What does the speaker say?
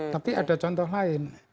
tapi ada contoh lain